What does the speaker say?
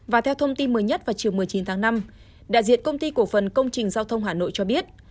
và theo thông tin mới nhất vào chiều một mươi chín tháng năm đại diện công ty cổ phần công trình giao thông hà nội cho biết